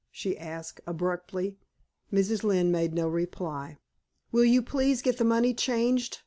she asked, abruptly. Mrs. Lynne made no reply. "Will you please get the money changed?"